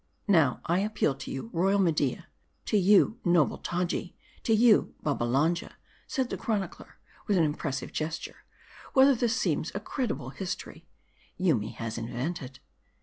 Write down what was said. " Now, I appeal to you, royal Media; to you, noble Taji ; to you, Babbalanja;" said the chronicler, with an impressive gesture, " whether this seems a credible history: Yoomy has invented."